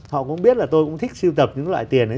họ cũng biết là tôi cũng thích siêu tập những loại tiền ấy